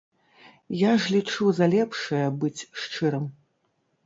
Я ж лічу за лепшае быць шчырым.